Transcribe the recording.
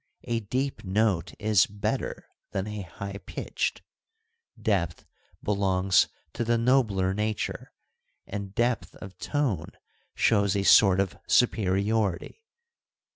A deep note is better than a high pitched : depth belongs to the nobler nature, and depth of tone shows a sort of superiority.